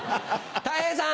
たい平さん。